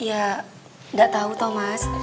ya gak tahu thomas